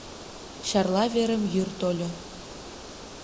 Чарла велым йӱр тольо;